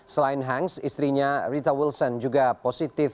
selain hanks istrinya rita wilson juga positif